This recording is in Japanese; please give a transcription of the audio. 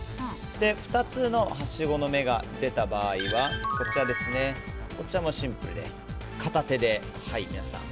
２つのはしごの目が出た場合こちらもシンプルで片手で。